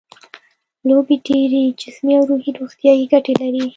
لوبې ډېرې جسمي او روحي روغتیايي ګټې لري.